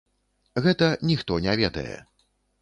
Гэта ніхто не ведае.